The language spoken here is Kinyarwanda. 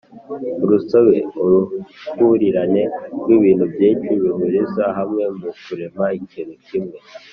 urusobe: uruhurirane rw’ibintu byinshi bihuriza hamwe mu kurema ikintu kimwe